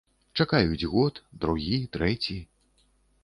Чакаюць год, другі, трэці.